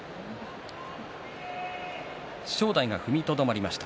正代が踏みとどまりました